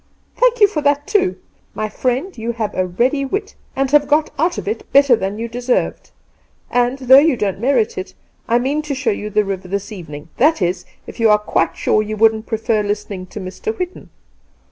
' Thank you for that, too. My friend, you have a ready wit, and have got out of it better than you deserved ; and, though you don't merit it, I mean to show you the river this evening — that is, if you are quite sure that you wouldn't prefer listening to Mr. Whitton.'